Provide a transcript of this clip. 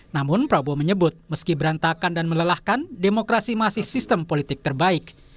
namun prabowo menyebut meski berantakan dan melelahkan demokrasi masih sistem politik terbaik